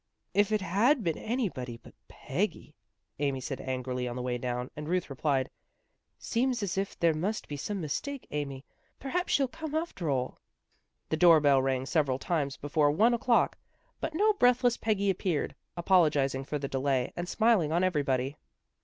"If it had been anybody but Peggy," Amy said angrily on the way down, and Ruth replied, " Seems as if there must be some mistake, Amy. Perhaps she'll come after all." The doorbell rang several times before one o'clock, but no breathless Peggy appeared, apologizing for the delay, and smiling on everybody.